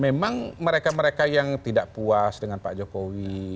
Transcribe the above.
memang mereka mereka yang tidak puas dengan pak jokowi